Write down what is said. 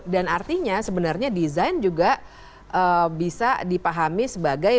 dan artinya sebenarnya design juga bisa dipahami sebagai